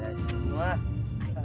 masih menunggu passive